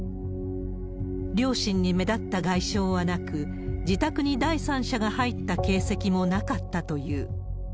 両親に目立った外傷はなく、自宅に第三者が入った形跡もなかったという。